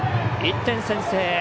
１点先制。